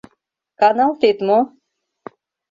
Каналтет мо?